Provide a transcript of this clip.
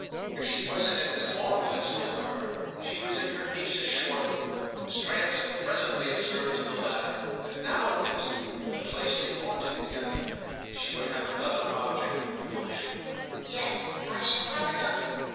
If she wasn't in his long list, however, she was in her niece's short one, and Stransom presently observed to the latter that now at least, in the place they haunted together, she would have another object of devotion. "Yes, I shall have another.